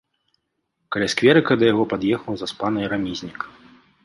Каля скверыка да яго пад'ехаў заспаны рамізнік.